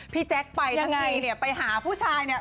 แจ๊คไปทั้งทีเนี่ยไปหาผู้ชายเนี่ย